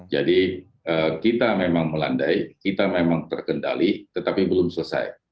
jadi kita memang melandai kita memang terkendali tetapi belum selesai